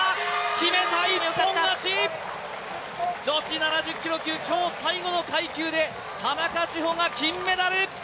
決めた、一本勝ち、女子７０キロ級、今日最後の階級で田中志歩が金メダル！